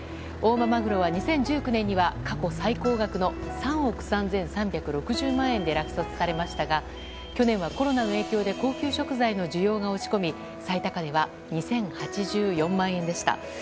大間マグロは２０１９年には過去最高額の３億３３６０万円で落札されましたが去年はコロナの影響で高級食材の需要が落ち込み最高値は２０８４万円でした。